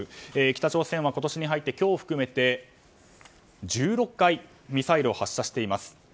北朝鮮は今年に入って今日を含めて１６回ミサイルを発射しています。